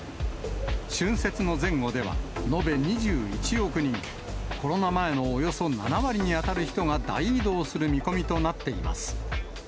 春節の前後では、延べ２１億人、コロナ前のおよそ７割に当たる人が大移動する見込みとなっています。